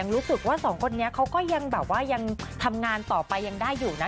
รู้สึกว่าสองคนนี้เขาก็ยังแบบว่ายังทำงานต่อไปยังได้อยู่นะ